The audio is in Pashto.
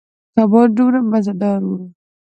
کبان دومره مزدار ووـ.